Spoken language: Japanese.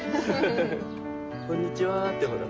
「こんにちは」ってほら。